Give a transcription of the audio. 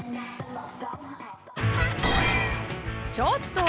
ちょっと！